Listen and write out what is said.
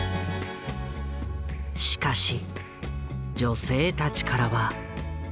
しかし女性たちからは。